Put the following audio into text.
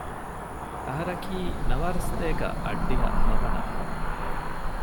އަހަރަކީ ނަވާރަސަތޭކަ އަށްޑިހަ ހަވަނަ އަހަރު